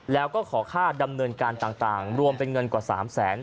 แล้วก็ขอค่าดำเนินการต่างรวมเป็นเงินกว่า๓แสน